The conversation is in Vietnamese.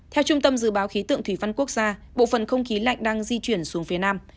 theo trung tâm dự báo khí tượng thủy văn quốc gia bộ phần không khí lạnh đang di chuyển xuống phía nam